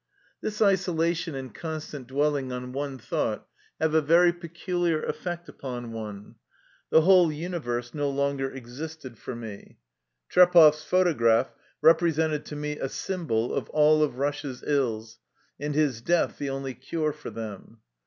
This isolation and constant dwelling on one thought have a very peculiar effect upon one. The whole universe no longer existed for me. Trepov's photograph represented to me a symbol of all of Russia's ills, and his death the only cure for them.